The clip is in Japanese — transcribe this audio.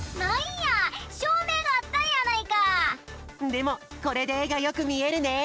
でもこれでえがよくみえるね！